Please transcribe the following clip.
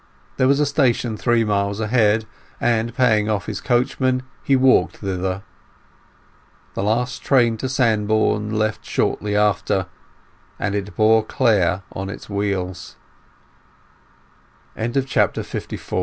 There was a station three miles ahead, and paying off his coachman, he walked thither. The last train to Sandbourne left shortly after, and it bore Clare on its wheels.